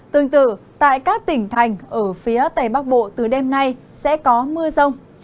tương tự tại các tỉnh thành ở phía tây bắc bộ từ đêm nay sẽ có mưa rông